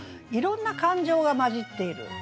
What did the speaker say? いろんな感情が交じっている。